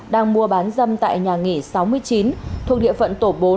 đang mua bán dâm tại nhà nghỉ sáu mươi chín thuộc địa phận tổ bốn